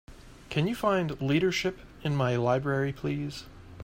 can you find Leadership in my library, please?